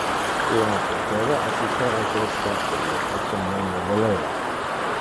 Io non poteva assister al festa, e io etiam non lo voleva.